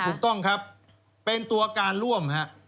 ถูกต้องครับเป็นตัวการร่วมฮะ